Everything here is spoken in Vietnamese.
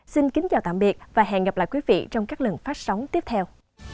xin kính chào tạm biệt và hẹn gặp lại quý vị trong các lần phát sóng tiếp theo